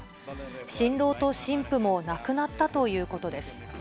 新郎と新婦も亡くなったということです。